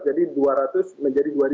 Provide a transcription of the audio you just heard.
jadi dua ratus menjadi dua ribu